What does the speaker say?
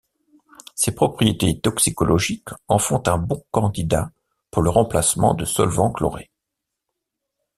Ses propriétés toxicologiques en font un bon candidat pour le remplacement de solvants chlorés.